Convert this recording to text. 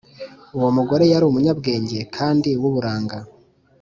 Uwo mugore yari umunyabwenge kandi w’uburanga